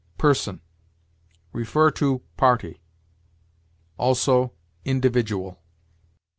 PERSON. See PARTY; also, INDIVIDUAL.